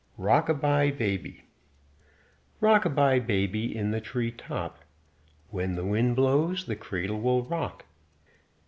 Rock A By Baby "Rock a by baby in the tree top, When the wind blows the cradle will rock."